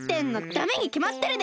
ダメにきまってるでしょ！